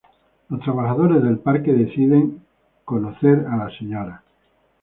Los trabajadores del Parque deciden y a conocer a la Sra.